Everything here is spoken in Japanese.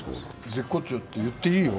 絶好調って言っていいよ。